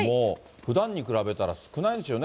ふだんに比べたら少ないんでしょうね。